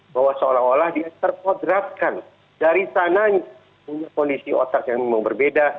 bahwa seolah olah dia terpodratkan dari sananya punya kondisi otak yang memang berbeda